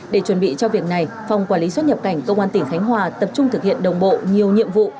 để chuẩn bị cho việc này phòng quản lý xuất nhập cảnh công an tỉnh khánh hòa tập trung thực hiện đồng bộ nhiều nhiệm vụ